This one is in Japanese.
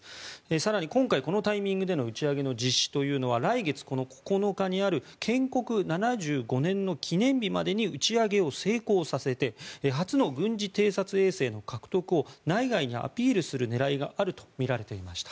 更に今回、このタイミングでの打ち上げの実施というのは来月９日にある建国７５年の記念日までに打ち上げを成功させて初の軍事偵察衛星の獲得を内外にアピールする狙いがあるとみられていました。